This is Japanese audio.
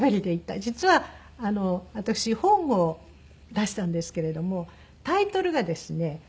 実は私本を出したんですけれどもタイトルがですね